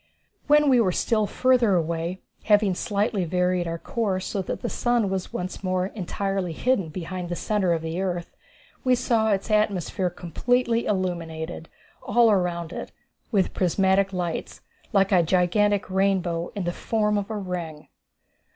When we were still further away, having slightly varied our course so that the sun was once more entirely hidden behind the centre of the earth, we saw its atmosphere completely illuminated, all around it, with prismatic lights, like a gigantic rainbow in the form of a ring.